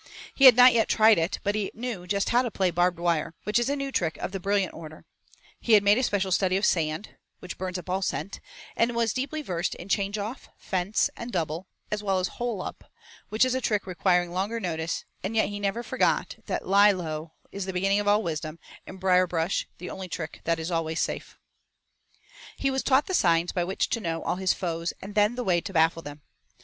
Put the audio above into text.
He had not yet tried it, but he knew just how to play 'barb wire,' which is a new trick of the brilliant order; he had made a special study of 'sand,' which burns up all scent, and was deeply versed in 'change off,' 'fence,' and 'double' as well as 'hole up,' which is a trick requiring longer notice, and yet he never forgot that 'lie low' is the beginning of all wisdom and 'brierbrush' the only trick that is always safe. He was taught the signs by which to know all his foes and then the way to baffle them.